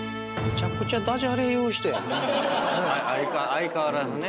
相変わらずね。